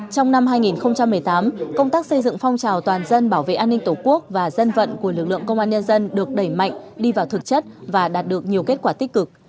trong năm hai nghìn một mươi tám công tác xây dựng phong trào toàn dân bảo vệ an ninh tổ quốc và dân vận của lực lượng công an nhân dân được đẩy mạnh đi vào thực chất và đạt được nhiều kết quả tích cực